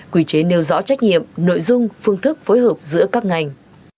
quy chế nêu rõ trách nhiệm nội dung phương thức phối hợp giữa các ngành